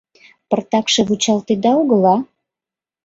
Пыртакше вучалтеда огыла.